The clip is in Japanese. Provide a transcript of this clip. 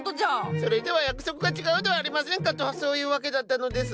それでは約束が違うではありませんかとそういうわけだったのです。